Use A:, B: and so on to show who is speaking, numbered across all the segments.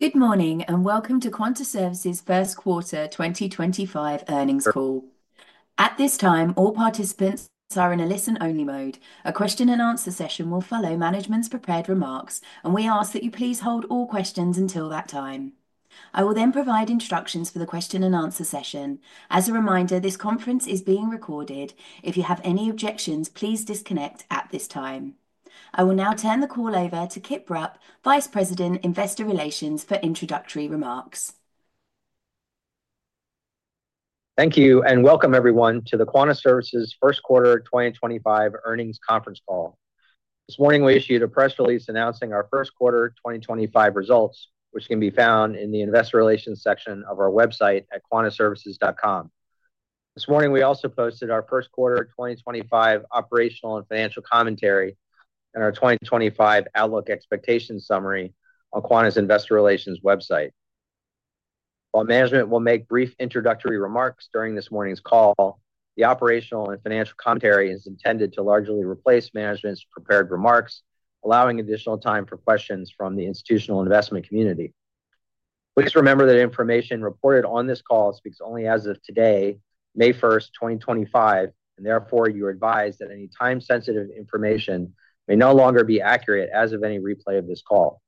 A: Good morning and welcome to Quanta Services' first quarter 2025 earnings call. At this time, all participants are in a listen-only mode. A question-and-answer session will follow management's prepared remarks, and we ask that you please hold all questions until that time. I will then provide instructions for the question-and-answer session. As a reminder, this conference is being recorded. If you have any objections, please disconnect at this time. I will now turn the call over to Kip Rupp, Vice President, Investor Relations, for introductory remarks.
B: Thank you and welcome everyone to the Quanta Services' first quarter 2025 earnings conference call. This morning, we issued a press release announcing our first quarter 2025 results, which can be found in the Investor Relations section of our website at quantaservices.com. This morning, we also posted our first quarter 2025 operational and financial commentary and our 2025 outlook expectation summary on Quanta's Investor Relations website. While management will make brief introductory remarks during this morning's call, the operational and financial commentary is intended to largely replace management's prepared remarks, allowing additional time for questions from the institutional investment community. Please remember that information reported on this call speaks only as of today, May 1st, 2025, and therefore you are advised that any time-sensitive information may no longer be accurate as of any replay of this call.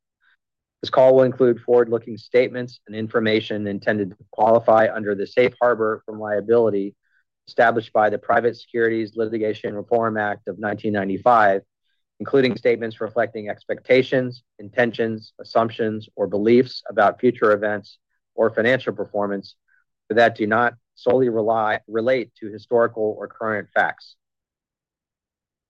B: This call will include forward-looking statements and information intended to qualify under the safe harbor from liability established by the Private Securities Litigation Reform Act of 1995, including statements reflecting expectations, intentions, assumptions, or beliefs about future events or financial performance that do not solely relate to historical or current facts.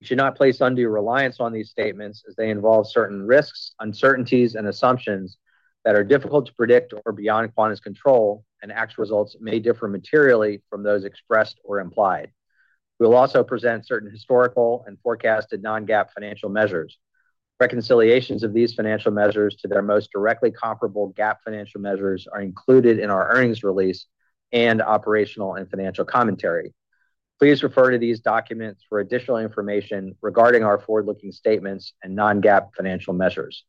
B: We should not place undue reliance on these statements as they involve certain risks, uncertainties, and assumptions that are difficult to predict or beyond Quanta's control, and actual results may differ materially from those expressed or implied. We will also present certain historical and forecasted non-GAAP financial measures. Reconciliations of these financial measures to their most directly comparable GAAP financial measures are included in our earnings release and operational and financial commentary. Please refer to these documents for additional information regarding our forward-looking statements and non-GAAP financial measures.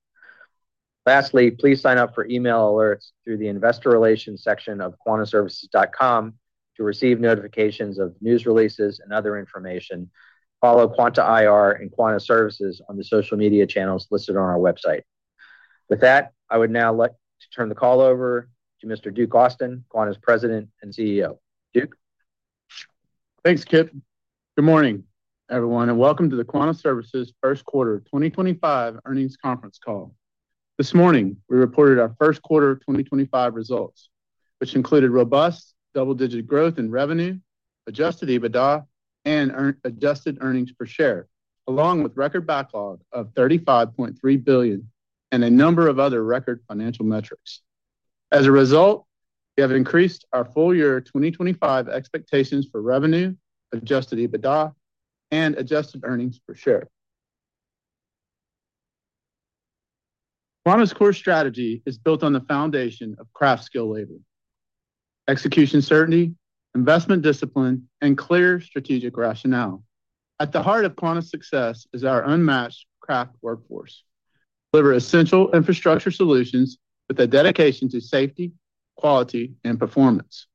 B: Lastly, please sign up for email alerts through the Investor Relations section of quantaservices.com to receive notifications of news releases and other information. Follow Quanta IR and Quanta Services on the social media channels listed on our website. With that, I would now like to turn the call over to Mr. Duke Austin, Quanta's President and CEO. Duke.
C: Thanks, Kip. Good morning, everyone, and welcome to the Quanta Services' first quarter 2025 earnings conference call. This morning, we reported our first quarter 2025 results, which included robust double-digit growth in revenue, adjusted EBITDA, and adjusted earnings per share, along with a record backlog of $35.3 billion and a number of other record financial metrics. As a result, we have increased our full year 2025 expectations for revenue, adjusted EBITDA, and adjusted earnings per share. Quanta's core strategy is built on the foundation of craft skilled labor, execution certainty, investment discipline, and clear strategic rationale. At the heart of Quanta's success is our unmatched craft workforce, delivering essential infrastructure solutions with a dedication to safety, quality, and performance.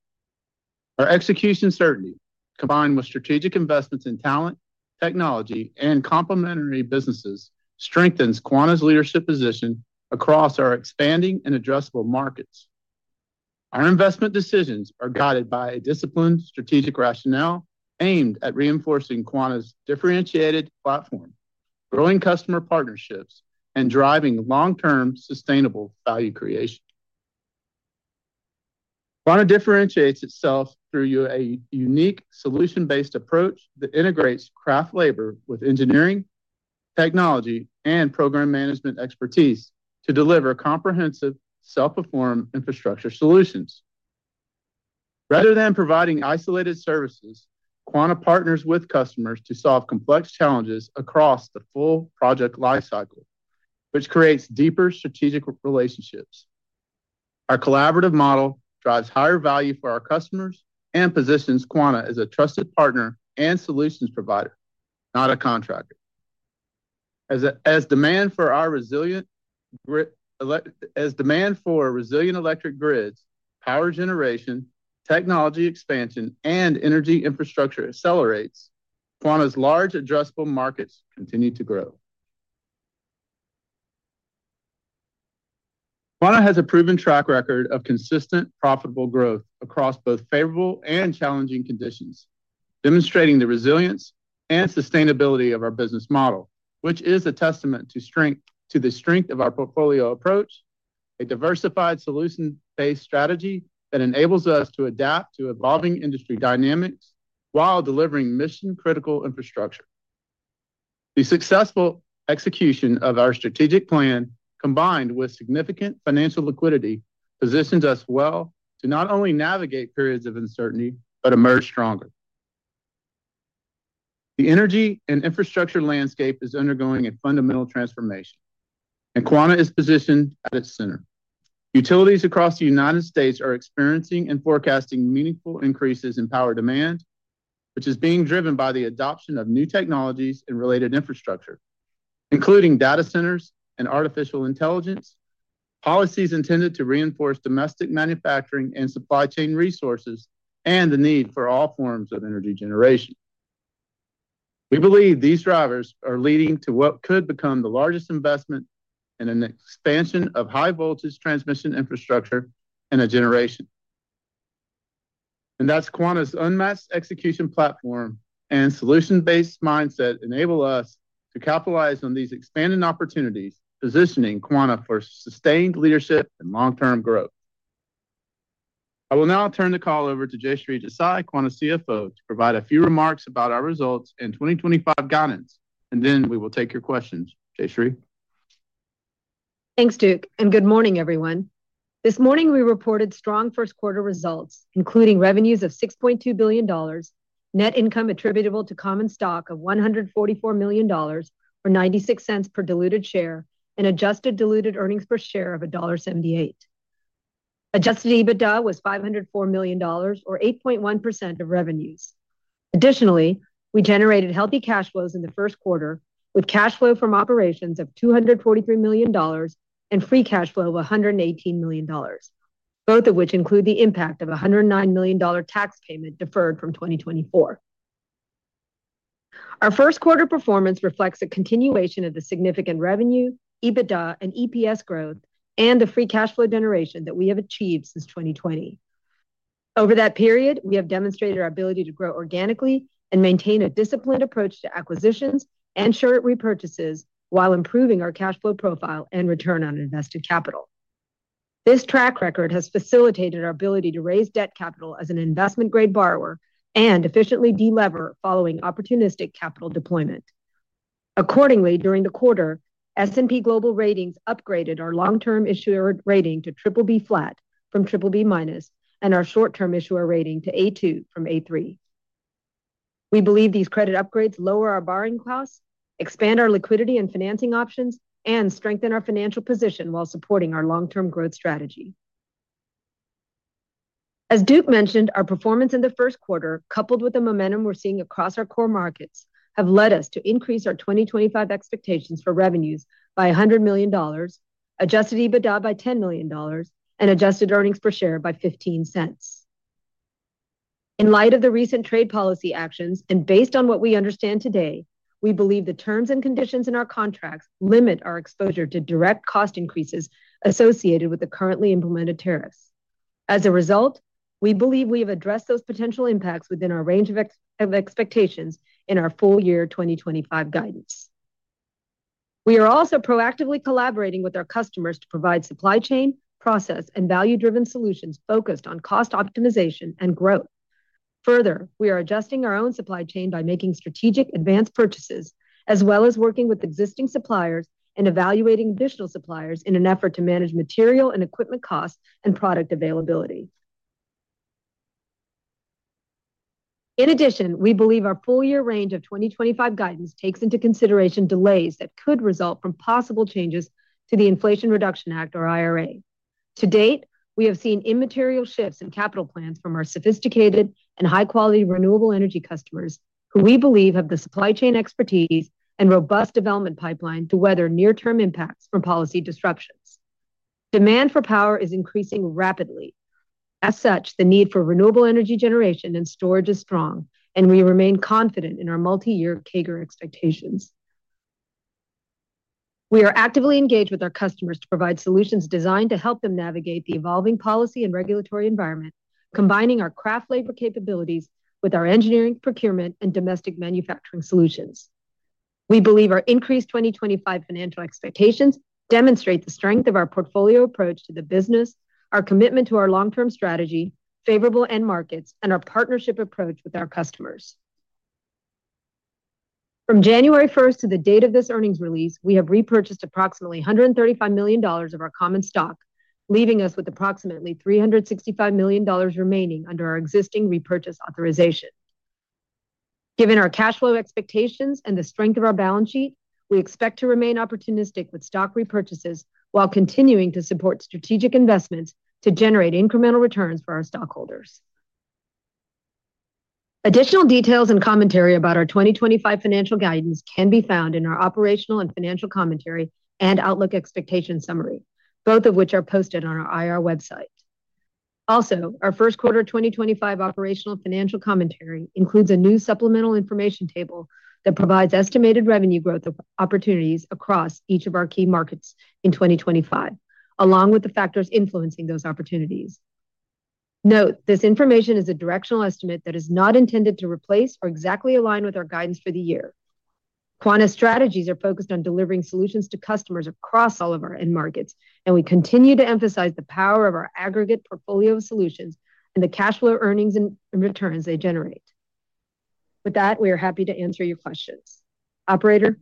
C: Our execution certainty, combined with strategic investments in talent, technology, and complementary businesses, strengthens Quanta's leadership position across our expanding and addressable markets. Our investment decisions are guided by a disciplined strategic rationale aimed at reinforcing Quanta's differentiated platform, growing customer partnerships, and driving long-term sustainable value creation. Quanta differentiates itself through a unique solution-based approach that integrates craft labor with engineering, technology, and program management expertise to deliver comprehensive self-perform infrastructure solutions. Rather than providing isolated services, Quanta partners with customers to solve complex challenges across the full project lifecycle, which creates deeper strategic relationships. Our collaborative model drives higher value for our customers and positions Quanta as a trusted partner and solutions provider, not a contractor. As demand for resilient electric grids, power generation, technology expansion, and energy infrastructure accelerates, Quanta's large addressable markets continue to grow. Quanta has a proven track record of consistent, profitable growth across both favorable and challenging conditions, demonstrating the resilience and sustainability of our business model, which is a testament to the strength of our portfolio approach, a diversified solution-based strategy that enables us to adapt to evolving industry dynamics while delivering mission-critical infrastructure. The successful execution of our strategic plan, combined with significant financial liquidity, positions us well to not only navigate periods of uncertainty but emerge stronger. The energy and infrastructure landscape is undergoing a fundamental transformation, and Quanta is positioned at its center. Utilities across the United States are experiencing and forecasting meaningful increases in power demand, which is being driven by the adoption of new technologies and related infrastructure, including data centers and artificial intelligence, policies intended to reinforce domestic manufacturing and supply chain resources, and the need for all forms of energy generation. We believe these drivers are leading to what could become the largest investment in an expansion of high-voltage transmission infrastructure in a generation. Quanta's unmatched execution platform and solution-based mindset enable us to capitalize on these expanding opportunities, positioning Quanta for sustained leadership and long-term growth. I will now turn the call over to Jayshree Desai, Quanta CFO, to provide a few remarks about our results and 2025 guidance, and then we will take your questions. Jayshree.
D: Thanks, Duke, and good morning, everyone. This morning, we reported strong first quarter results, including revenues of $6.2 billion, net income attributable to common stock of $144 million or $0.96 per diluted share, and adjusted diluted earnings per share of $1.78. Adjusted EBITDA was $504 million, or 8.1% of revenues. Additionally, we generated healthy cash flows in the first quarter, with cash flow from operations of $243 million and free cash flow of $118 million, both of which include the impact of a $109 million tax payment deferred from 2024. Our first quarter performance reflects a continuation of the significant revenue, EBITDA, and EPS growth, and the free cash flow generation that we have achieved since 2020. Over that period, we have demonstrated our ability to grow organically and maintain a disciplined approach to acquisitions and short repurchases while improving our cash flow profile and return on invested capital. This track record has facilitated our ability to raise debt capital as an investment-grade borrower and efficiently delever following opportunistic capital deployment. Accordingly, during the quarter, S&P Global Ratings upgraded our long-term issuer rating to BBB flat from BBB- and our short-term issuer rating to A-2 from A3. We believe these credit upgrades lower our borrowing costs, expand our liquidity and financing options, and strengthen our financial position while supporting our long-term growth strategy. As Duke mentioned, our performance in the first quarter, coupled with the momentum we're seeing across our core markets, has led us to increase our 2025 expectations for revenues by $100 million, adjusted EBITDA by $10 million, and adjusted earnings per share by $0.15. In light of the recent trade policy actions and based on what we understand today, we believe the terms and conditions in our contracts limit our exposure to direct cost increases associated with the currently implemented tariffs. As a result, we believe we have addressed those potential impacts within our range of expectations in our full year 2025 guidance. We are also proactively collaborating with our customers to provide supply chain, process, and value-driven solutions focused on cost optimization and growth. Further, we are adjusting our own supply chain by making strategic advanced purchases, as well as working with existing suppliers and evaluating additional suppliers in an effort to manage material and equipment costs and product availability. In addition, we believe our full year range of 2025 guidance takes into consideration delays that could result from possible changes to the Inflation Reduction Act, or IRA. To date, we have seen immaterial shifts in capital plans from our sophisticated and high-quality renewable energy customers, who we believe have the supply chain expertise and robust development pipeline to weather near-term impacts from policy disruptions. Demand for power is increasing rapidly. As such, the need for renewable energy generation and storage is strong, and we remain confident in our multi-year CAGR expectations. We are actively engaged with our customers to provide solutions designed to help them navigate the evolving policy and regulatory environment, combining our craft labor capabilities with our engineering, procurement, and domestic manufacturing solutions. We believe our increased 2025 financial expectations demonstrate the strength of our portfolio approach to the business, our commitment to our long-term strategy, favorable end markets, and our partnership approach with our customers. From January 1st to the date of this earnings release, we have repurchased approximately $135 million of our common stock, leaving us with approximately $365 million remaining under our existing repurchase authorization. Given our cash flow expectations and the strength of our balance sheet, we expect to remain opportunistic with stock repurchases while continuing to support strategic investments to generate incremental returns for our stockholders. Additional details and commentary about our 2025 financial guidance can be found in our operational and financial commentary and outlook expectation summary, both of which are posted on our IR website. Also, our first quarter 2025 operational financial commentary includes a new supplemental information table that provides estimated revenue growth opportunities across each of our key markets in 2025, along with the factors influencing those opportunities. Note, this information is a directional estimate that is not intended to replace or exactly align with our guidance for the year. Quanta's strategies are focused on delivering solutions to customers across all of our end markets, and we continue to emphasize the power of our aggregate portfolio of solutions and the cash flow, earnings, and returns they generate. With that, we are happy to answer your questions. Operator?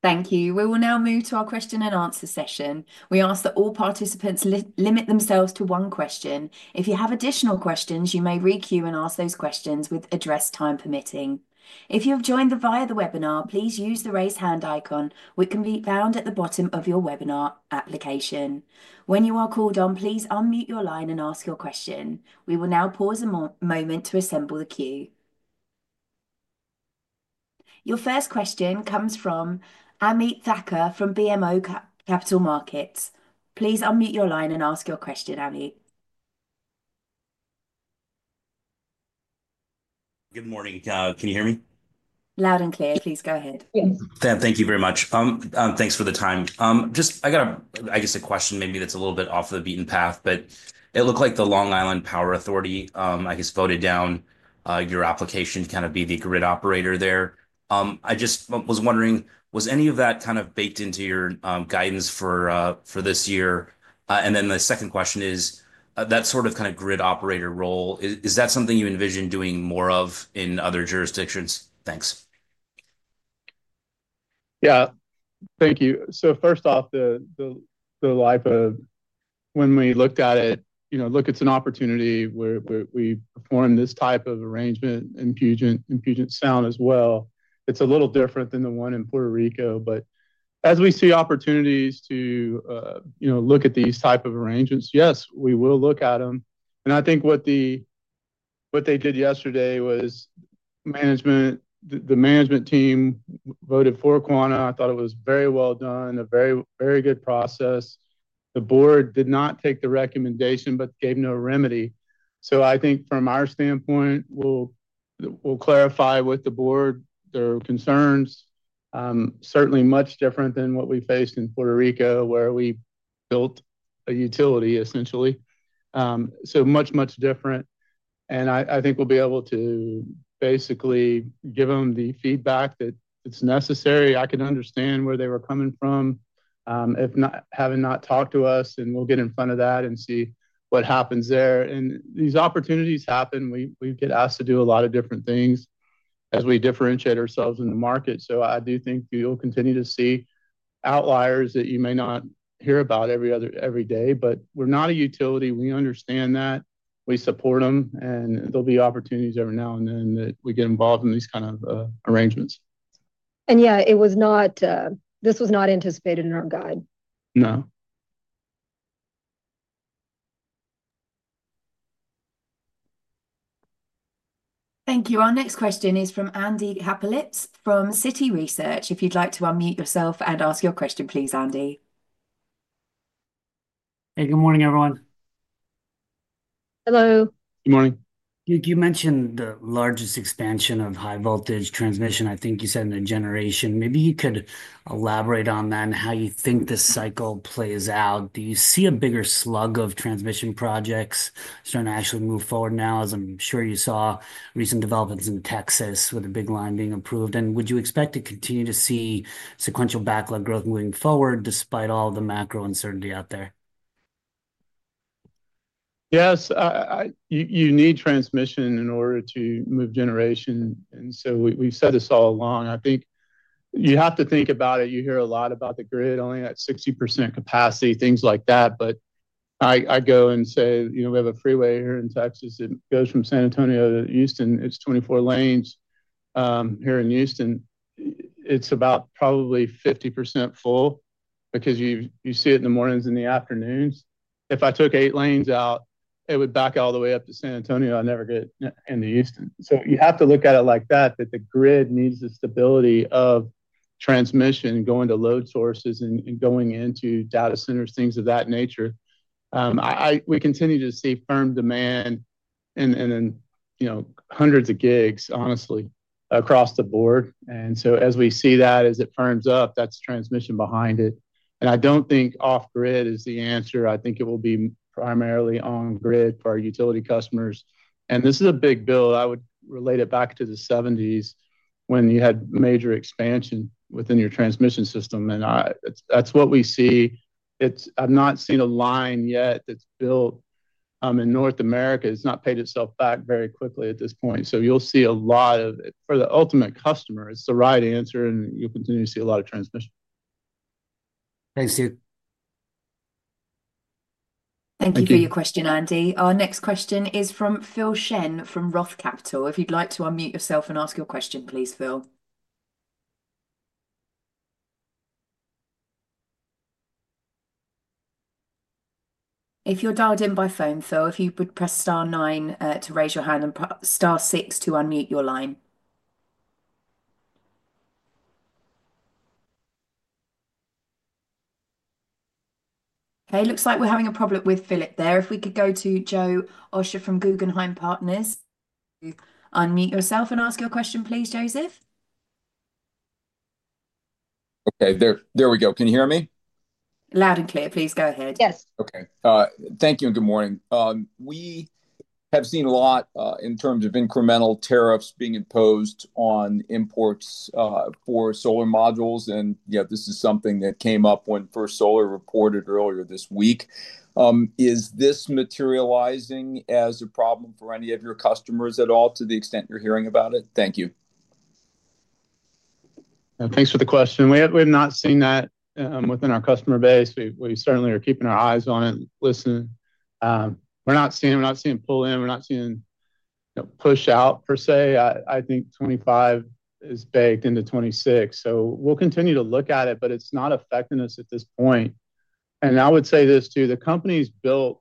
A: Thank you. We will now move to our question and answer session. We ask that all participants limit themselves to one question. If you have additional questions, you may re-queue and ask those questions with address time permitting. If you have joined via the webinar, please use the raise hand icon, which can be found at the bottom of your webinar application. When you are called on, please unmute your line and ask your question. We will now pause a moment to assemble the queue. Your first question comes from Ameet Thakkar from BMO Capital Markets. Please unmute your line and ask your question, Ameet.
E: Good morning. Can you hear me?
A: Loud and clear. Please go ahead.
E: Thank you very much. Thanks for the time. Just I got a, I guess, a question maybe that's a little bit off the beaten path, but it looked like the Long Island Power Authority, I guess, voted down your application to kind of be the grid operator there. I just was wondering, was any of that kind of baked into your guidance for this year? The second question is that sort of kind of grid operator role, is that something you envision doing more of in other jurisdictions? Thanks.
C: Yeah, thank you. First off, the LIPA, when we looked at it, you know, look, it's an opportunity where we perform this type of arrangement in Puget Sound as well. It's a little different than the one in Puerto Rico, but as we see opportunities to look at these types of arrangements, yes, we will look at them. I think what they did yesterday was management, the management team voted for Quanta. I thought it was very well done, a very, very good process. The board did not take the recommendation but gave no remedy. I think from our standpoint, we'll clarify with the board their concerns. Certainly much different than what we faced in Puerto Rico, where we built a utility, essentially. Much, much different. I think we'll be able to basically give them the feedback that's necessary. I can understand where they were coming from, if not, having not talked to us, and we'll get in front of that and see what happens there. These opportunities happen. We get asked to do a lot of different things as we differentiate ourselves in the market. I do think you'll continue to see outliers that you may not hear about every other day, but we're not a utility. We understand that. We support them, and there'll be opportunities every now and then that we get involved in these kinds of arrangements.
D: Yeah, this was not anticipated in our guide.
C: No.
A: Thank you. Our next question is from Andy Kaplowitz from Citi Research. If you'd like to unmute yourself and ask your question, please, Andy.
F: Hey, good morning, everyone.
D: Hello.
C: Good morning.
F: Duke, you mentioned the largest expansion of high-voltage transmission, I think you said in a generation. Maybe you could elaborate on that and how you think this cycle plays out. Do you see a bigger slug of transmission projects starting to actually move forward now, as I'm sure you saw recent developments in Texas with a big line being approved? Would you expect to continue to see sequential backlog growth moving forward despite all the macro uncertainty out there?
C: Yes. You need transmission in order to move generation. We have said this all along. I think you have to think about it. You hear a lot about the grid, only at 60% capacity, things like that. I go and say, you know, we have a freeway here in Texas. It goes from San Antonio to Houston. It is 24 lanes here in Houston. It is about probably 50% full because you see it in the mornings and the afternoons. If I took eight lanes out, it would back all the way up to San Antonio. I never get into Houston. You have to look at it like that, that the grid needs the stability of transmission going to load sources and going into data centers, things of that nature. We continue to see firm demand and then hundreds of gigs, honestly, across the board. As we see that, as it firms up, that's transmission behind it. I do not think off-grid is the answer. I think it will be primarily on-grid for our utility customers. This is a big bill. I would relate it back to the 1970s when you had major expansion within your transmission system. That is what we see. I have not seen a line yet that is built in North America that has not paid itself back very quickly at this point. You will see a lot of it for the ultimate customer. It is the right answer, and you will continue to see a lot of transmission.
F: Thanks, Duke.
A: Thank you for your question, Andy. Our next question is from Phil Shen from ROTH Capital. If you'd like to unmute yourself and ask your question, please, Phil. If you're dialed in by phone, Phil, if you would press star nine to raise your hand and star six to unmute your line. Okay. Looks like we're having a problem with Phil there. If we could go to Joe Osha from Guggenheim Partners. Unmute yourself and ask your question, please, Joseph.
G: Okay. There we go. Can you hear me?
A: Loud and clear. Please go ahead.
G: Yes. Okay. Thank you and good morning. We have seen a lot in terms of incremental tariffs being imposed on imports for solar modules. Yeah, this is something that came up when First Solar reported earlier this week. Is this materializing as a problem for any of your customers at all to the extent you're hearing about it? Thank you.
C: Thanks for the question. We have not seen that within our customer base. We certainly are keeping our eyes on it and listening. We're not seeing it. We're not seeing it pull in. We're not seeing it push out per se. I think 2025 is baked into 2026. We will continue to look at it, but it's not affecting us at this point. I would say this too. The company is built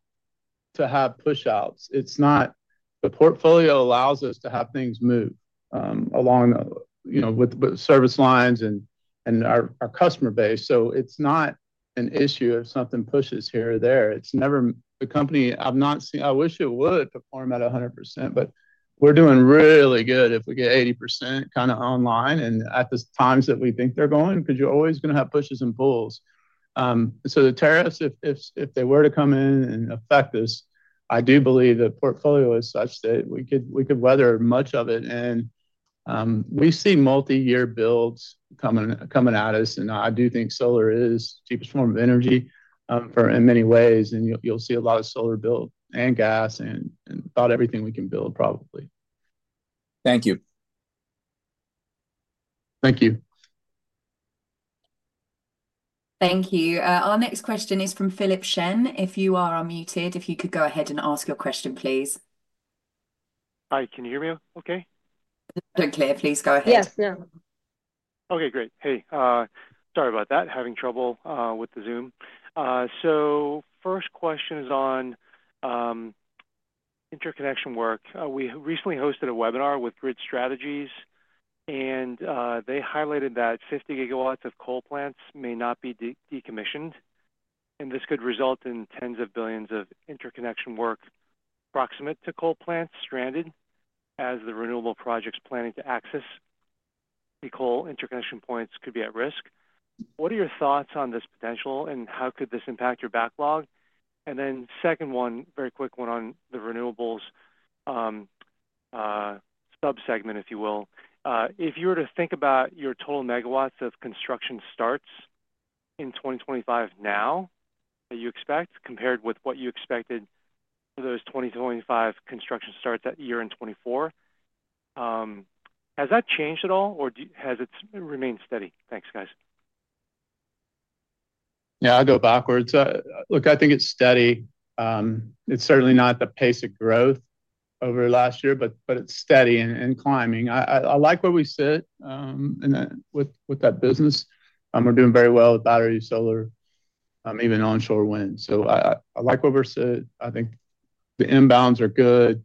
C: to have push-outs. The portfolio allows us to have things move along with service lines and our customer base. It's not an issue if something pushes here or there. It's never the company. I wish it would perform at 100%, but we're doing really good if we get 80% kind of online and at the times that we think they're going because you're always going to have pushes and pulls. The tariffs, if they were to come in and affect us, I do believe the portfolio is such that we could weather much of it. We see multi-year builds coming at us. I do think solar is the cheapest form of energy in many ways. You'll see a lot of solar build and gas and about everything we can build, probably.
F: Thank you.
C: Thank you.
A: Thank you. Our next question is from Philip Shen. If you are unmuted, if you could go ahead and ask your question, please.
H: Hi. Can you hear me okay?
A: Loud and clear. Please go ahead.
H: Yes. Yeah. Okay. Great. Hey, sorry about that. Having trouble with the Zoom. First question is on interconnection work. We recently hosted a webinar with Grid Strategies, and they highlighted that 50 GW of coal plants may not be decommissioned. This could result in tens of billions of interconnection work proximate to coal plants stranded as the renewable projects planning to access the coal interconnection points could be at risk. What are your thoughts on this potential, and how could this impact your backlog? Second one, very quick one on the renewables subsegment, if you will. If you were to think about your total megawatts of construction starts in 2025 now, that you expect compared with what you expected for those 2025 construction starts that year in 2024, has that changed at all, or has it remained steady? Thanks, guys.
C: Yeah, I'll go backwards. Look, I think it's steady. It's certainly not the pace of growth over last year, but it's steady and climbing. I like where we sit with that business. We're doing very well with battery solar, even onshore wind. So I like where we're sit. I think the inbounds are good.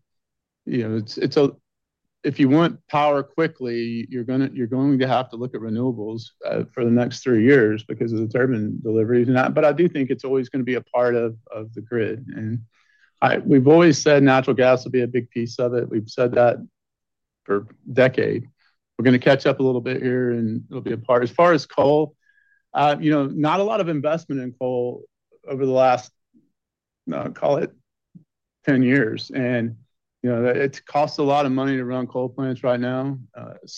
C: If you want power quickly, you're going to have to look at renewables for the next three years because of the turbine deliveries. I do think it's always going to be a part of the grid. We've always said natural gas will be a big piece of it. We've said that for a decade. We're going to catch up a little bit here, and it'll be a part. As far as coal, not a lot of investment in coal over the last, call it, 10 years. It costs a lot of money to run coal plants right now.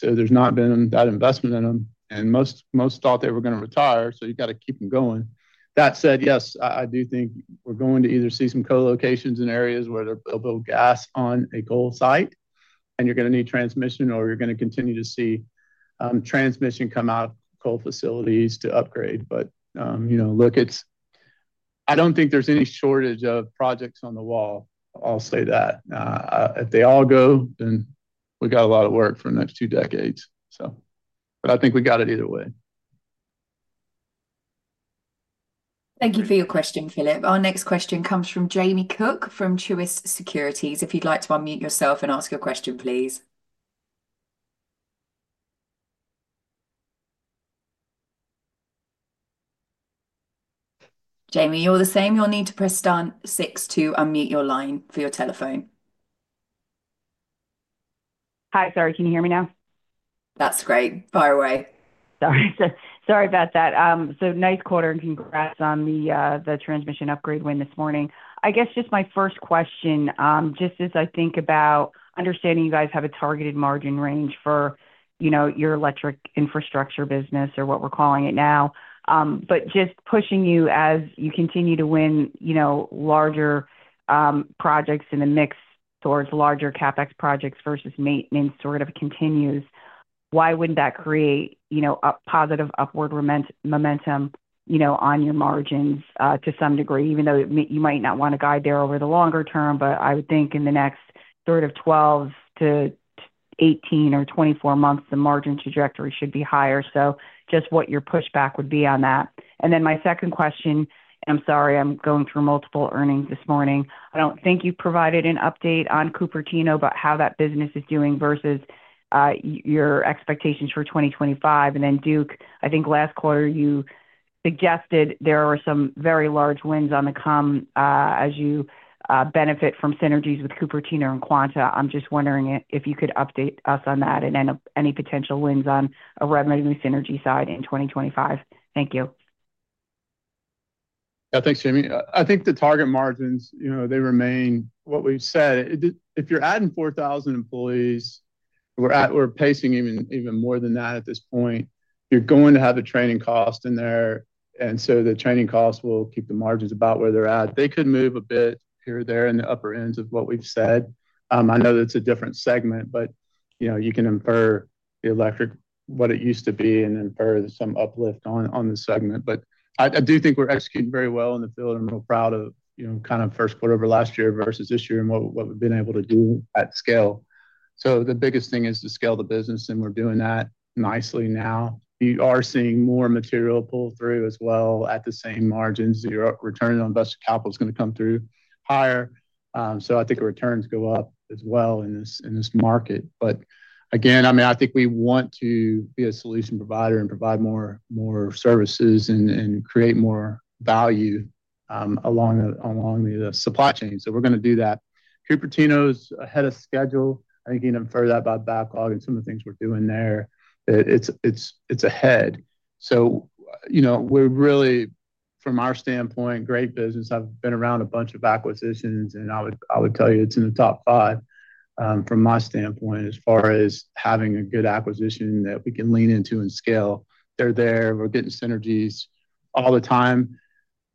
C: There has not been that investment in them. Most thought they were going to retire, so you have to keep them going. That said, yes, I do think we are going to either see some co-locations in areas where they will build gas on a coal site, and you are going to need transmission, or you are going to continue to see transmission come out of coal facilities to upgrade. I do not think there is any shortage of projects on the wall. I will say that. If they all go, then we have a lot of work for the next two decades. I think we have it either way.
A: Thank you for your question, Philip. Our next question comes from Jamie Cook from Truist Securities. If you'd like to unmute yourself and ask your question, please. Jamie, you're the same. You'll need to press star six to unmute your line for your telephone.
I: Hi, sorry. Can you hear me now?
A: That's great. Fire away.
I: Sorry. Sorry about that. Nice quarter and congrats on the transmission upgrade win this morning. I guess just my first question, just as I think about understanding you guys have a targeted margin range for your electric infrastructure business or what we're calling it now, but just pushing you as you continue to win larger projects in the mix towards larger CapEx projects versus maintenance sort of continues, why wouldn't that create a positive upward momentum on your margins to some degree, even though you might not want to guide there over the longer term, but I would think in the next sort of 12 to 18 or 24 months, the margin trajectory should be higher. Just what your pushback would be on that. My second question, and I'm sorry, I'm going through multiple earnings this morning. I don't think you provided an update on Cupertino about how that business is doing versus your expectations for 2025. Then Duke, I think last quarter you suggested there were some very large wins on the come as you benefit from synergies with Cupertino and Quanta. I'm just wondering if you could update us on that and any potential wins on a revenue synergy side in 2025. Thank you.
C: Yeah. Thanks, Jamie. I think the target margins, they remain what we've said. If you're adding 4,000 employees, we're pacing even more than that at this point. You're going to have a training cost in there. The training cost will keep the margins about where they're at. They could move a bit here or there in the upper ends of what we've said. I know that's a different segment, but you can infer the electric what it used to be and infer some uplift on the segment. I do think we're executing very well in the field and real proud of kind of first quarter of last year versus this year and what we've been able to do at scale. The biggest thing is to scale the business, and we're doing that nicely now. You are seeing more material pull through as well at the same margins. Your return on invested capital is going to come through higher. I think returns go up as well in this market. Again, I mean, I think we want to be a solution provider and provide more services and create more value along the supply chain. We are going to do that. Cupertino's ahead of schedule. I think you can infer that by backlog and some of the things we are doing there. It is ahead. We are really, from our standpoint, great business. I have been around a bunch of acquisitions, and I would tell you it is in the top five from my standpoint as far as having a good acquisition that we can lean into and scale. They are there. We are getting synergies all the time.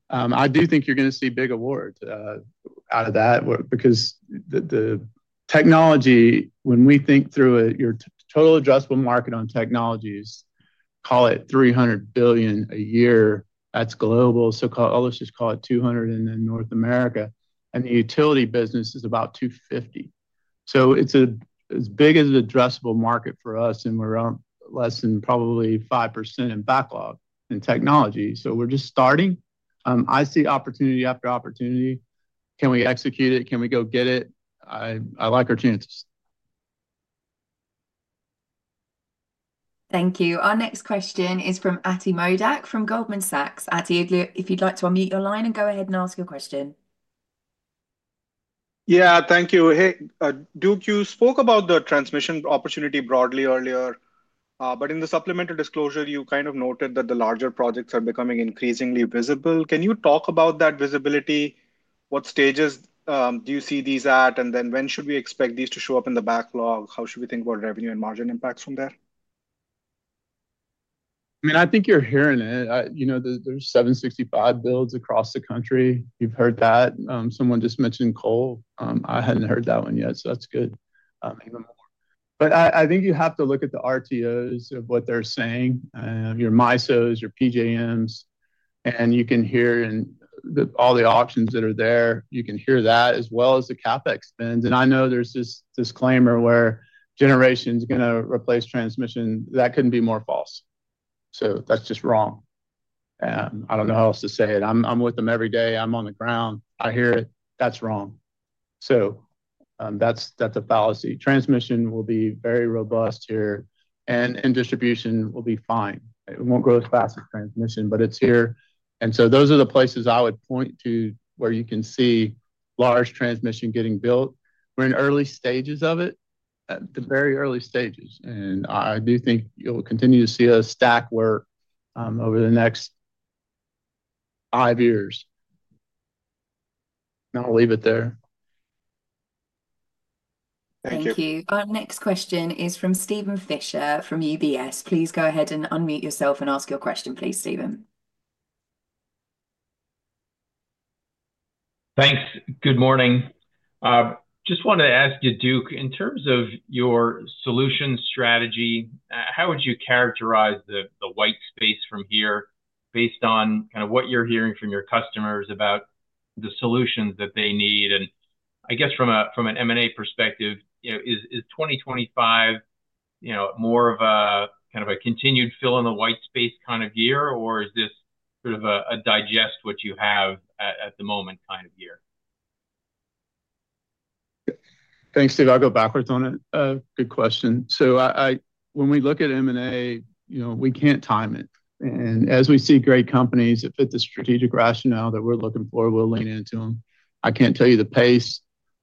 C: I do think you're going to see big awards out of that because the technology, when we think through it, your total addressable market on technologies, call it $300 billion a year at global. Let's just call it $200 billion in North America. The utility business is about $250 billion. It is as big as an addressable market for us, and we're less than probably 5% in backlog in technology. We're just starting. I see opportunity after opportunity. Can we execute it? Can we go get it? I like our chances.
A: Thank you. Our next question is from Ati Modak from Goldman Sachs. Ati, if you'd like to unmute your line and go ahead and ask your question.
J: Yeah. Thank you. Duke, you spoke about the transmission opportunity broadly earlier. In the supplemental disclosure, you kind of noted that the larger projects are becoming increasingly visible. Can you talk about that visibility? What stages do you see these at? When should we expect these to show up in the backlog? How should we think about revenue and margin impacts from there?
C: I mean, I think you're hearing it. There's 765 builds across the country. You've heard that. Someone just mentioned coal. I hadn't heard that one yet, so that's good. I think you have to look at the RTOs of what they're saying, your MISOs, your PJMs. You can hear all the options that are there. You can hear that as well as the CapEx spends. I know there's this disclaimer where generation is going to replace transmission. That couldn't be more false. That's just wrong. I don't know how else to say it. I'm with them every day. I'm on the ground. I hear it. That's wrong. That's a fallacy. Transmission will be very robust here. Distribution will be fine. It won't grow as fast as transmission, but it's here. Those are the places I would point to where you can see large transmission getting built. We're in early stages of it, the very early stages. I do think you'll continue to see us stack work over the next five years. I'll leave it there.
G: Thank you.
D: Thank you.
A: Our next question is from Steven Fisher from UBS. Please go ahead and unmute yourself and ask your question, please, Steven.
K: Thanks. Good morning. Just wanted to ask you, Duke, in terms of your solution strategy, how would you characterize the white space from here based on kind of what you're hearing from your customers about the solutions that they need? I guess from an M&A perspective, is 2025 more of a kind of a continued fill-in-the-white-space kind of year, or is this sort of a digest what you have at the moment kind of year?
C: Thanks, Steve. I'll go backwards on it. Good question. When we look at M&A, we can't time it. As we see great companies that fit the strategic rationale that we're looking for, we'll lean into them. I can't tell you the pace.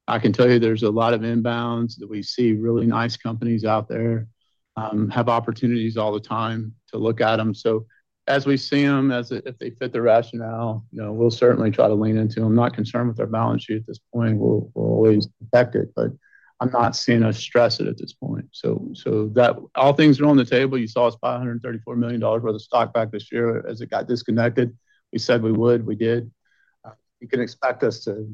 C: I can tell you there's a lot of inbounds that we see, really nice companies out there, have opportunities all the time to look at them. As we see them, if they fit the rationale, we'll certainly try to lean into them. Not concerned with our balance sheet at this point. We'll always protect it, but I'm not seeing us stress it at this point. All things are on the table. You saw us buy $134 million worth of stock back this year as it got disconnected. We said we would. We did. You can expect us to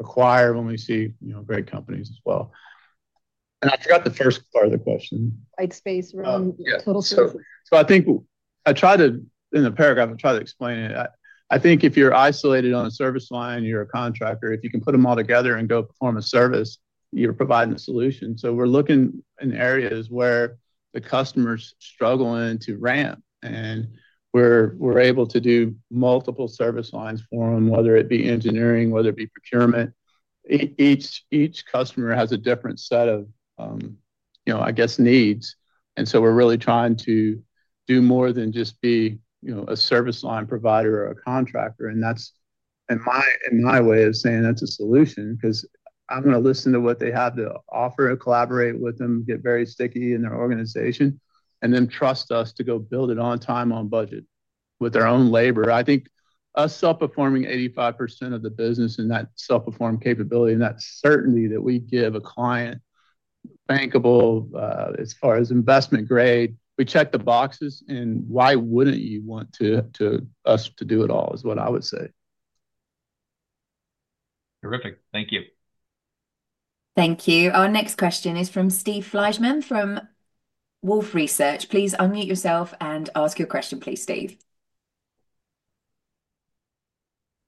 C: acquire when we see great companies as well. I forgot the first part of the question.
D: White space, total service.
C: I think I tried to, in the paragraph, I tried to explain it. I think if you're isolated on a service line, you're a contractor. If you can put them all together and go perform a service, you're providing a solution. We're looking in areas where the customer's struggling to ramp, and we're able to do multiple service lines for them, whether it be engineering, whether it be procurement. Each customer has a different set of, I guess, needs. We're really trying to do more than just be a service line provider or a contractor. That's, in my way of saying, that's a solution because I'm going to listen to what they have to offer, collaborate with them, get very sticky in their organization, and then trust us to go build it on time on budget with their own labor. I think us self-performing 85% of the business and that self-perform capability and that certainty that we give a client, bankable as far as investment grade, we check the boxes, and why wouldn't you want us to do it all is what I would say.
K: Terrific. Thank you.
A: Thank you. Our next question is from Steve Fleishman from Wolfe Research. Please unmute yourself and ask your question, please, Steve.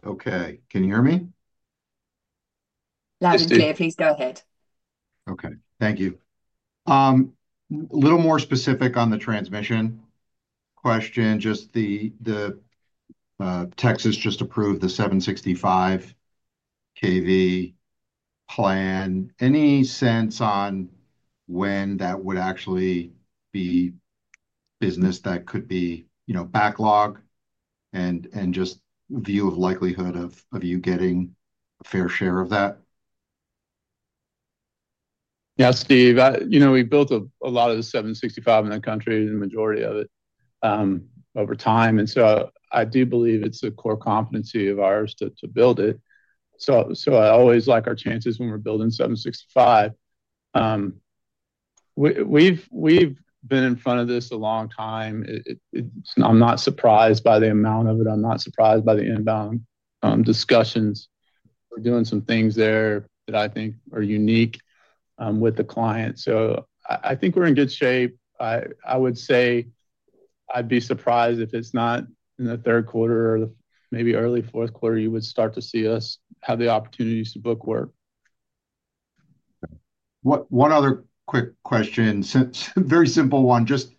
L: Okay. Can you hear me?
A: Loud and clear. Please go ahead.
C: Okay. Thank you. A little more specific on the transmission question, just the Texas just approved the 765 kV plan. Any sense on when that would actually be business that could be backlog and just view of likelihood of you getting a fair share of that? Yeah, Steve. We built a lot of the 765 in the country, the majority of it, over time. I do believe it's a core competency of ours to build it. I always like our chances when we're building 765. We've been in front of this a long time. I'm not surprised by the amount of it. I'm not surprised by the inbound discussions. We're doing some things there that I think are unique with the client. I think we're in good shape. I would say I'd be surprised if it's not in the third quarter or maybe early fourth quarter, you would start to see us have the opportunities to book work.
L: One other quick question. Very simple one. Just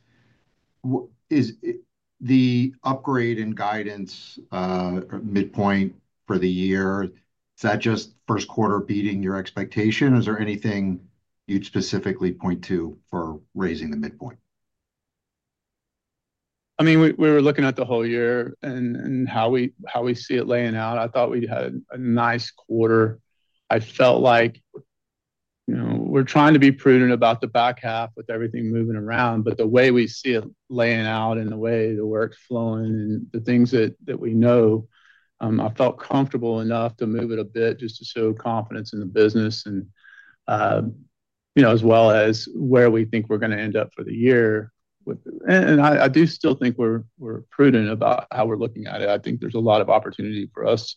L: the upgrade and guidance midpoint for the year, is that just first quarter beating your expectation? Is there anything you'd specifically point to for raising the midpoint?
C: I mean, we were looking at the whole year and how we see it laying out. I thought we had a nice quarter. I felt like we're trying to be prudent about the back half with everything moving around, but the way we see it laying out and the way the work's flowing and the things that we know, I felt comfortable enough to move it a bit just to show confidence in the business and as well as where we think we're going to end up for the year. I do still think we're prudent about how we're looking at it. I think there's a lot of opportunity for us.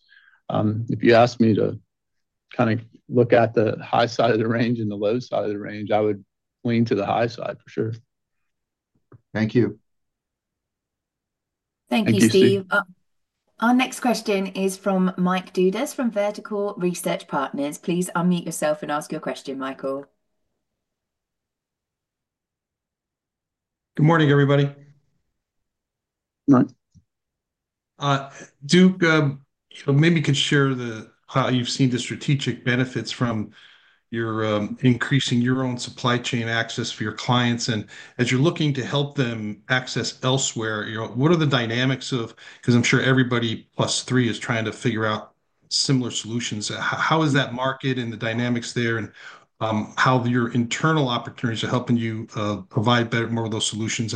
C: If you ask me to kind of look at the high side of the range and the low side of the range, I would lean to the high side for sure.
L: Thank you.
A: Thank you, Steve. Our next question is from Mike Dudas from Vertical Research Partners. Please unmute yourself and ask your question, Michael.
M: Good morning, everybody.
C: Good morning.
M: Duke, maybe you could share how you've seen the strategic benefits from increasing your own supply chain access for your clients. As you're looking to help them access elsewhere, what are the dynamics of, because I'm sure everybody plus three is trying to figure out similar solutions, how is that market and the dynamics there and how your internal opportunities are helping you provide more of those solutions?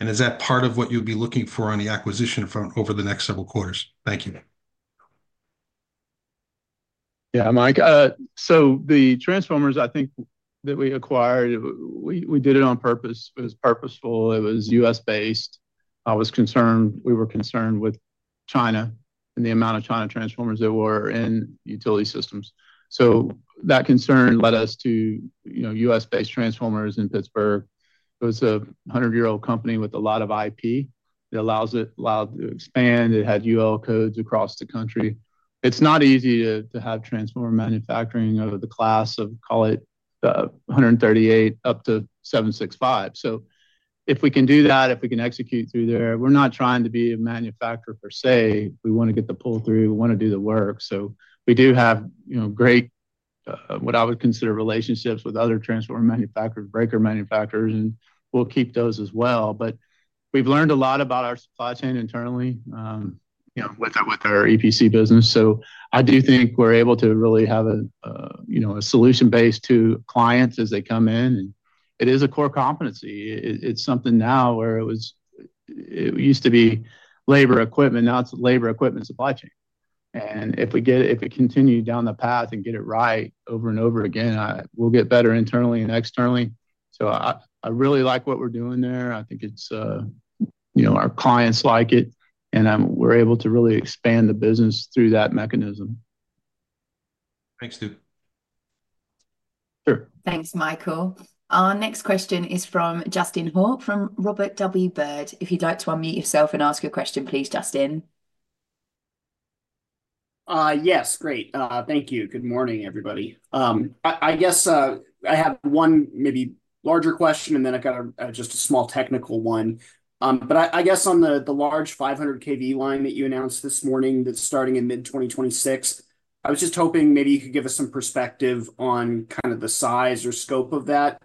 M: Is that part of what you'll be looking for on the acquisition over the next several quarters? Thank you.
C: Yeah, Mike. The transformers, I think, that we acquired, we did it on purpose. It was purposeful. It was U.S.-based. I was concerned. We were concerned with China and the amount of China transformers that were in utility systems. That concern led us to U.S.-based transformers in Pittsburgh. It was a 100-year-old company with a lot of IP. It allowed it to expand. It had UL codes across the country. It's not easy to have transformer manufacturing of the class of, call it 138 up to 765. If we can do that, if we can execute through there, we're not trying to be a manufacturer per se. We want to get the pull-through. We want to do the work. We do have great, what I would consider relationships with other transformer manufacturers, breaker manufacturers, and we'll keep those as well. We have learned a lot about our supply chain internally with our EPC business. I do think we are able to really have a solution base to clients as they come in. It is a core competency. It is something now where it used to be labor equipment. Now it is labor equipment supply chain. If we continue down the path and get it right over and over again, we will get better internally and externally. I really like what we are doing there. I think our clients like it, and we are able to really expand the business through that mechanism.
M: Thanks, Duke.
C: Sure.
A: Thanks, Michael. Our next question is from Justin Hauke from Robert W. Baird. If you'd like to unmute yourself and ask your question, please, Justin.
N: Yes. Great. Thank you. Good morning, everybody. I guess I have one maybe larger question, and then I've got just a small technical one. I guess on the large 500 kV line that you announced this morning that's starting in mid-2026, I was just hoping maybe you could give us some perspective on kind of the size or scope of that,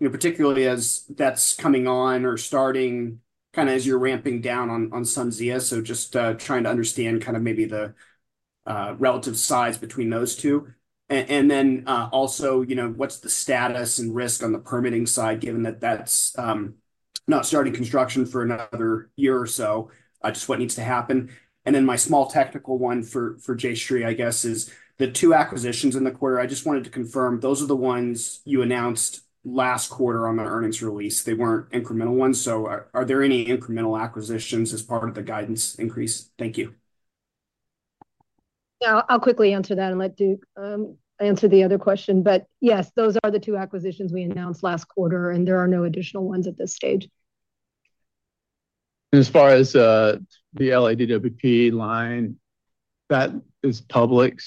N: particularly as that's coming on or starting kind of as you're ramping down on SunZia. Just trying to understand kind of maybe the relative size between those two. Also, what's the status and risk on the permitting side, given that that's not starting construction for another year or so? I just what needs to happen. My small technical one for Jayshree, I guess, is the two acquisitions in the quarter. I just wanted to confirm those are the ones you announced last quarter on the earnings release. They were not incremental ones. Are there any incremental acquisitions as part of the guidance increase? Thank you.
D: Yeah. I'll quickly answer that and let Duke answer the other question. Yes, those are the two acquisitions we announced last quarter, and there are no additional ones at this stage.
C: As far as the LADWP line, that is public.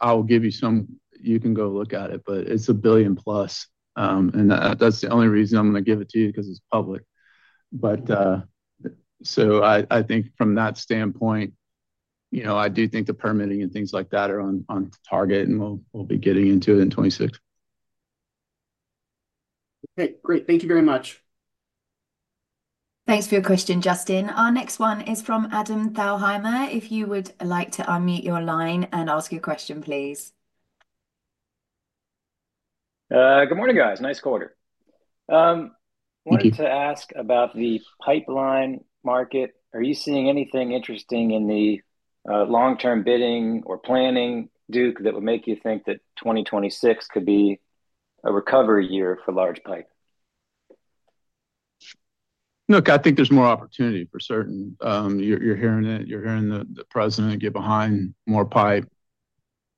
C: I'll give you some, you can go look at it, but it's a billion plus. That's the only reason I'm going to give it to you, because it's public. I think from that standpoint, I do think the permitting and things like that are on target, and we'll be getting into it in 2026.
N: Okay. Great. Thank you very much.
A: Thanks for your question, Justin. Our next one is from Adam Thalhimer. If you would like to unmute your line and ask your question, please.
O: Good morning, guys. Nice quarter.
C: Thank you.
O: Wanted to ask about the pipeline market. Are you seeing anything interesting in the long-term bidding or planning, Duke, that would make you think that 2026 could be a recovery year for large pipe?
C: Look, I think there's more opportunity for certain. You're hearing it. You're hearing the president get behind more pipe,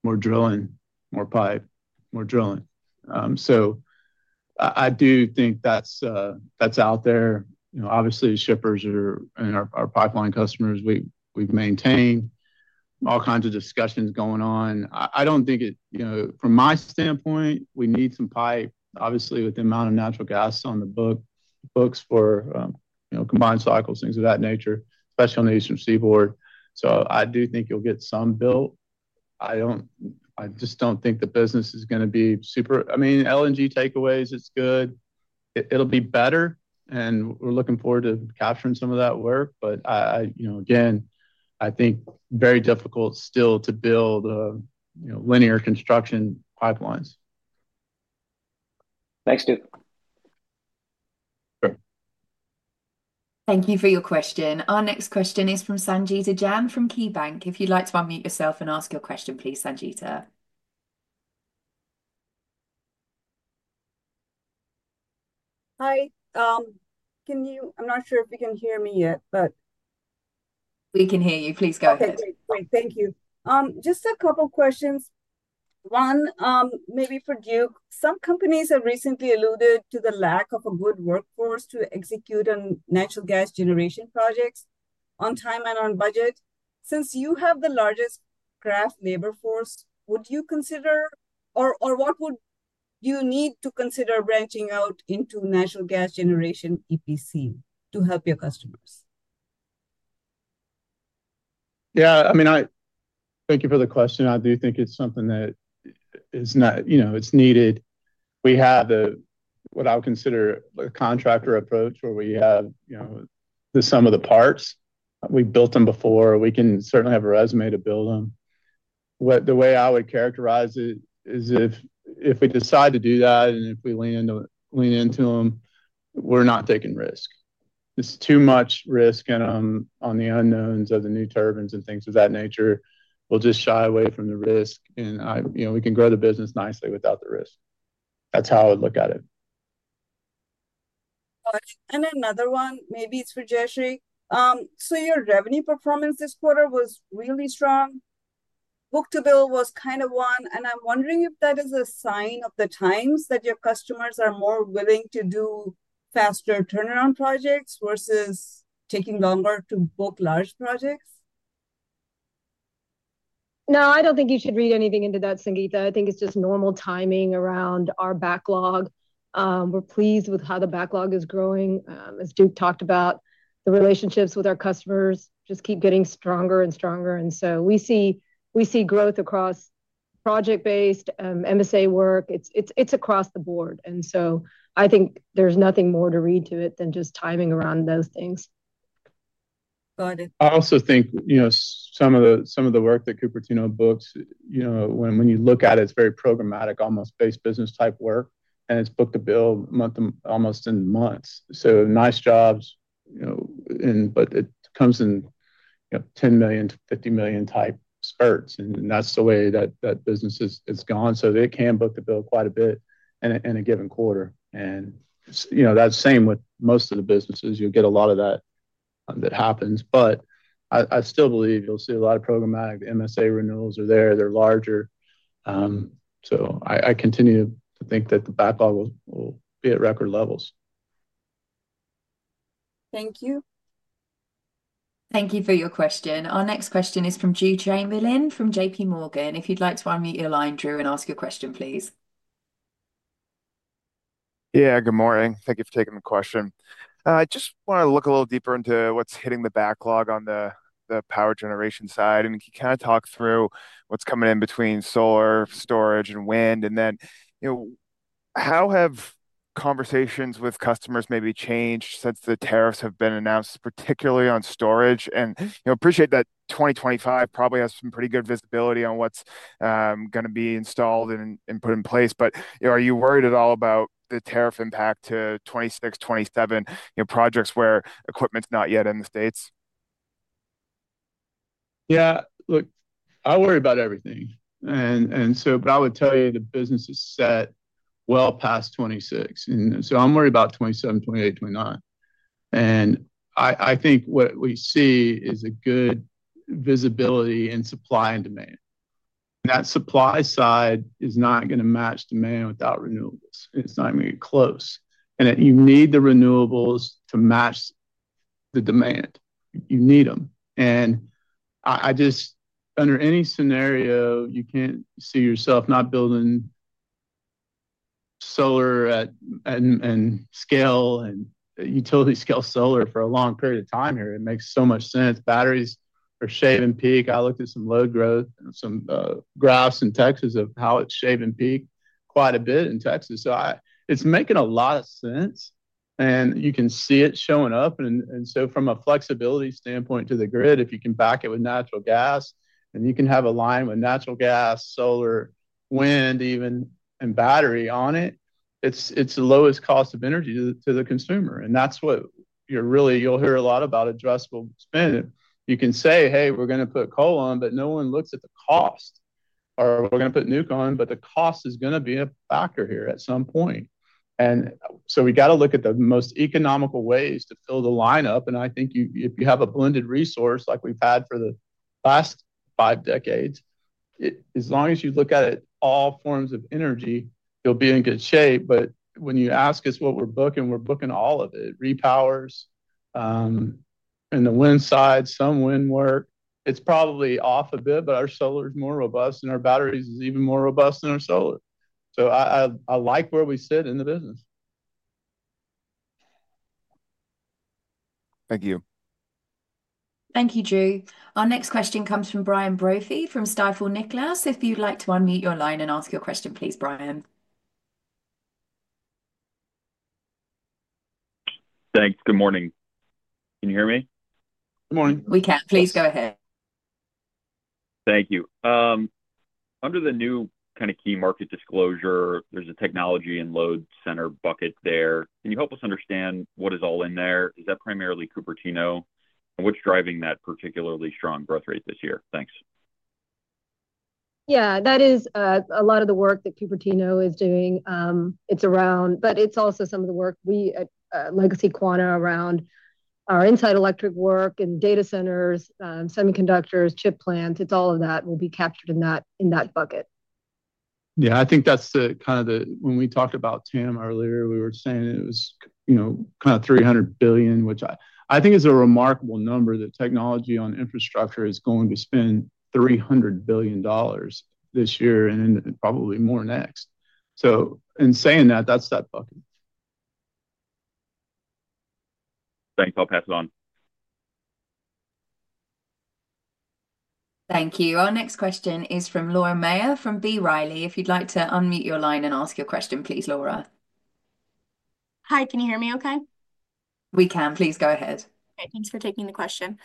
C: more drilling, more pipe, more drilling. I do think that's out there. Obviously, shippers are our pipeline customers. We've maintained all kinds of discussions going on. I don't think it from my standpoint, we need some pipe, obviously, with the amount of natural gas on the books, for combined cycles, things of that nature, especially on the Eastern Seaboard. I do think you'll get some built. I just don't think the business is going to be super. I mean, LNG takeaways, it's good. It'll be better, and we're looking forward to capturing some of that work. Again, I think very difficult still to build linear construction pipelines.
O: Thanks, Duke.
C: Sure.
A: Thank you for your question. Our next question is from Sangita Jain from KeyBanc. If you'd like to unmute yourself and ask your question, please, Sangita.
P: Hi. I'm not sure if you can hear me yet.
A: We can hear you. Please go ahead.
P: Okay. Great. Thank you. Just a couple of questions. One, maybe for Duke, some companies have recently alluded to the lack of a good workforce to execute on natural gas generation projects on time and on budget. Since you have the largest craft labor force, would you consider or what would you need to consider branching out into natural gas generation EPC to help your customers?
C: Yeah. I mean, thank you for the question. I do think it's something that is needed. We have what I would consider a contractor approach where we have the sum of the parts. We've built them before. We can certainly have a resume to build them. The way I would characterize it is if we decide to do that and if we lean into them, we're not taking risk. There's too much risk on the unknowns of the new turbines and things of that nature. We'll just shy away from the risk, and we can grow the business nicely without the risk. That's how I would look at it.
P: Got it. Another one, maybe it's for Jayshree. Your revenue performance this quarter was really strong. Book-to-bill was kind of one. I'm wondering if that is a sign of the times that your customers are more willing to do faster turnaround projects versus taking longer to book large projects.
D: No, I don't think you should read anything into that, Sangita. I think it's just normal timing around our backlog. We're pleased with how the backlog is growing. As Duke talked about, the relationships with our customers just keep getting stronger and stronger. We see growth across project-based MSA work. It's across the board. I think there's nothing more to read to it than just timing around those things.
P: Got it.
C: I also think some of the work that Cupertino books, when you look at it, it's very programmatic, almost base business-type work, and it's book-to-bill almost in months. Nice jobs, but it comes in $10 million-$50 million-type spurts. That's the way that business has gone. They can book-to-bill quite a bit in a given quarter. That's the same with most of the businesses. You'll get a lot of that that happens. I still believe you'll see a lot of programmatic MSA renewals are there. They're larger. I continue to think that the backlog will be at record levels.
P: Thank you.
A: Thank you for your question. Our next question is from Drew Chamberlain from JPMorgan. If you'd like to unmute your line, Drew, and ask your question, please.
Q: Yeah. Good morning. Thank you for taking the question. I just want to look a little deeper into what's hitting the backlog on the power generation side. You kind of talk through what's coming in between solar, storage, and wind. How have conversations with customers maybe changed since the tariffs have been announced, particularly on storage? I appreciate that 2025 probably has some pretty good visibility on what's going to be installed and put in place. Are you worried at all about the tariff impact to 2026, 2027 projects where equipment's not yet in the States?
C: Yeah. Look, I worry about everything. I would tell you the business is set well past 2026. I am worried about 2027, 2028, 2029. I think what we see is good visibility in supply and demand. That supply side is not going to match demand without renewables. It is not going to get close. You need the renewables to match the demand. You need them. Under any scenario, you cannot see yourself not building solar at utility-scale solar for a long period of time here. It makes so much sense. Batteries are shaving peak. I looked at some load growth and some graphs in Texas of how it is shaving peak quite a bit in Texas. It is making a lot of sense, and you can see it showing up. From a flexibility standpoint to the grid, if you can back it with natural gas and you can have a line with natural gas, solar, wind, even, and battery on it, it's the lowest cost of energy to the consumer. That's what you'll hear a lot about adjustable spend. You can say, "Hey, we're going to put coal on," but no one looks at the cost. Or, "We're going to put nuke on," but the cost is going to be a factor here at some point. We got to look at the most economical ways to fill the lineup. I think if you have a blended resource like we've had for the last five decades, as long as you look at it, all forms of energy, you'll be in good shape. When you ask us what we're booking, we're booking all of it: repowers and the wind side, some wind work. It's probably off a bit, but our solar is more robust, and our batteries are even more robust than our solar. I like where we sit in the business.
Q: Thank you.
A: Thank you, Drew. Our next question comes from Brian Brophy from Stifel Nicolaus. If you'd like to unmute your line and ask your question, please, Brian.
R: Thanks. Good morning. Can you hear me?
C: Good morning.
A: We can. Please go ahead.
R: Thank you. Under the new kind of key market disclosure, there's a technology and load center bucket there. Can you help us understand what is all in there? Is that primarily Cupertino? And what's driving that particularly strong growth rate this year? Thanks.
D: Yeah. That is a lot of the work that Cupertino is doing. It is also some of the work, Legacy Quanta, around our inside electric work and data centers, semiconductors, chip plants. It is all of that will be captured in that bucket.
C: Yeah. I think that's kind of the when we talked about TAM earlier, we were saying it was kind of $300 billion, which I think is a remarkable number that technology on infrastructure is going to spend $300 billion this year and probably more next. In saying that, that's that bucket.
R: Thanks. I'll pass it on.
A: Thank you. Our next question is from Laura Maher from B. Riley. If you'd like to unmute your line and ask your question, please, Laura.
S: Hi. Can you hear me okay?
A: We can. Please go ahead.
S: Okay. Thanks for taking the question.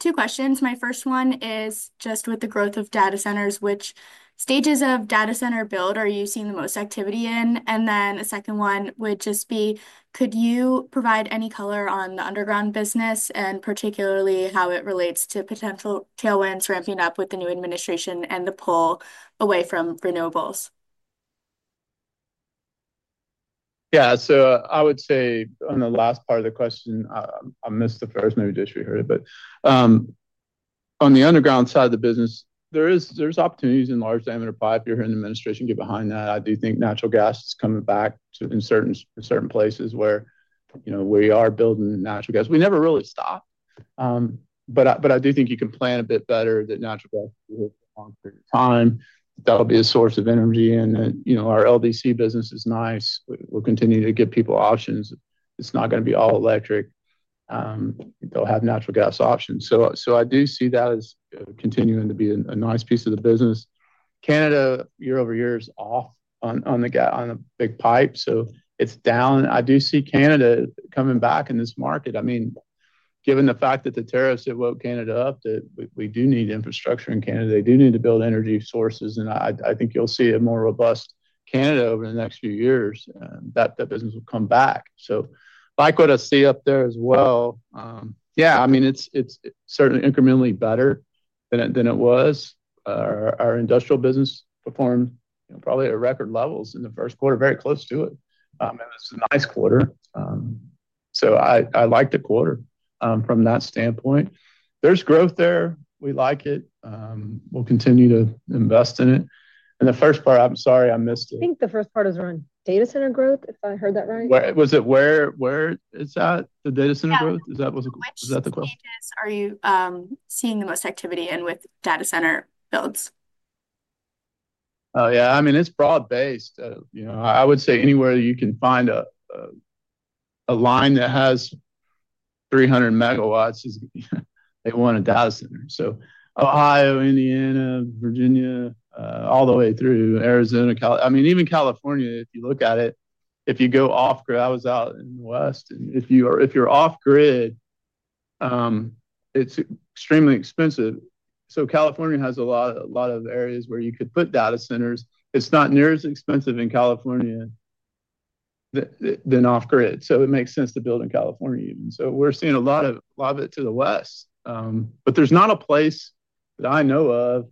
S: Two questions. My first one is just with the growth of data centers, which stages of data center build are you seeing the most activity in? My second one would just be, could you provide any color on the underground business and particularly how it relates to potential tailwinds ramping up with the new administration and the pull away from renewables?
C: Yeah. I would say on the last part of the question, I missed the first. Maybe Jayshree heard it. On the underground side of the business, there's opportunities in large diameter pipe. You're hearing the administration get behind that. I do think natural gas is coming back in certain places where we are building natural gas. We never really stopped. I do think you can plan a bit better that natural gas will take a long period of time. That'll be a source of energy. Our LDC business is nice. We'll continue to give people options. It's not going to be all electric. They'll have natural gas options. I do see that as continuing to be a nice piece of the business. Canada, year over year, is off on the big pipe. It's down. I do see Canada coming back in this market. I mean, given the fact that the tariffs have woke Canada up, that we do need infrastructure in Canada, they do need to build energy sources. I think you'll see a more robust Canada over the next few years. That business will come back. Like what I see up there as well, yeah, I mean, it's certainly incrementally better than it was. Our industrial business performed probably at record levels in the first quarter, very close to it. It's a nice quarter. I like the quarter from that standpoint. There's growth there. We like it. We'll continue to invest in it. The first part, I'm sorry, I missed it.
S: I think the first part is around data center growth, if I heard that right.
C: Was it where it's at, the data center growth?
S: Yes.
C: Is that the question?
S: Which data centers are you seeing the most activity in with data center builds?
C: Oh, yeah. I mean, it's broad-based. I would say anywhere you can find a line that has 300 megawatts, they want a data center. So Ohio, Indiana, Virginia, all the way through Arizona, California. I mean, even California, if you look at it, if you go off-grid, I was out in the west. And if you're off-grid, it's extremely expensive. California has a lot of areas where you could put data centers. It's not near as expensive in California than off-grid. It makes sense to build in California even. We're seeing a lot of it to the west. There's not a place that I know of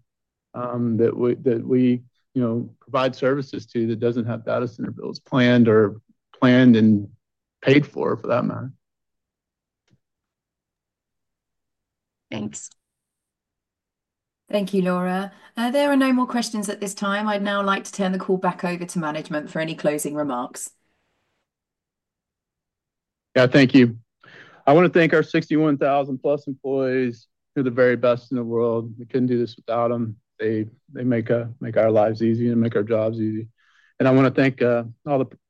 C: that we provide services to that doesn't have data center builds planned or planned and paid for, for that matter.
A: Thanks. Thank you, Laura. There are no more questions at this time. I'd now like to turn the call back over to management for any closing remarks.
C: Yeah. Thank you. I want to thank our 61,000+ employees. They're the very best in the world. We couldn't do this without them. They make our lives easy and make our jobs easy. I want to thank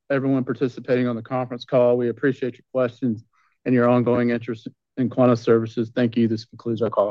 C: everyone participating on the conference call. We appreciate your questions and your ongoing interest in Quanta Services. Thank you. This concludes our call.